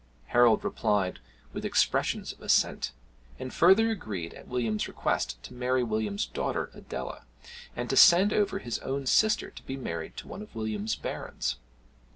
Harold replied with expressions of assent: and further agreed, at William's request, to marry William's daughter Adela, and to send over his own sister to be married to one of William's barons.